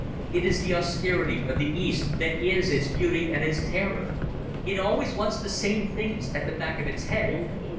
It is the austerity of the East that is its beauty and its terror ... It always wants the same things at the back of its head.